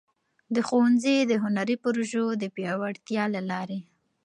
د ښونځي د هنري پروژو د پیاوړتیا له لارې.